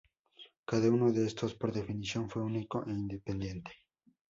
Cada uno de estos, por definición, fue único e independiente.